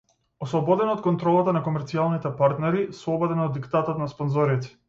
Ослободен од контролата на комерцијалните партнери, слободен од диктатот на спонзорите.